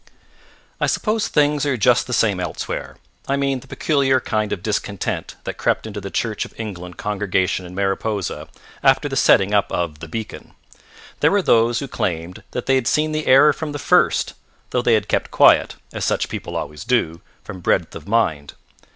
I suppose things are just the same elsewhere, I mean the peculiar kind of discontent that crept into the Church of England congregation in Mariposa after the setting up of the Beacon. There were those who claimed that they had seen the error from the first, though they had kept quiet, as such people always do, from breadth of mind.